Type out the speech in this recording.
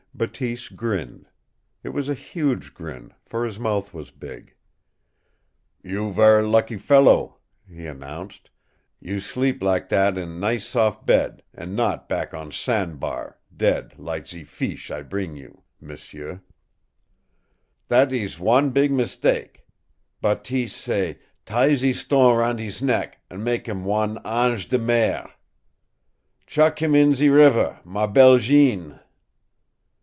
Bateese grinned. It was a huge grin, for his mouth was big. "You ver' lucky fellow," he announced. "You sleep lak that in nice sof' bed an' not back on san' bar, dead lak ze feesh I bring you, m'sieu. That ees wan beeg mistake. Bateese say, 'Tie ze stone roun' hees neck an' mak' heem wan ANGE DE MER. Chuck heem in ze river, MA BELLE Jeanne!'